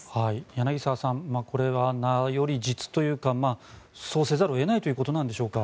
柳澤さんこれは名より実というかそうせざるを得ないということなんでしょうか。